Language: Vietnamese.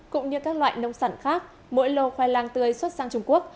cũng như các loại nông sản khác mỗi lô khoai lang tươi xuất sang trung quốc